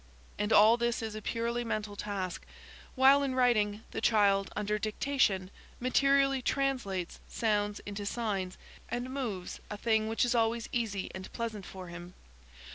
And all this is a purely mental task, while in writing, the child, under dictation, materially translates sounds into signs, and moves, a thing which is always easy and pleasant for him.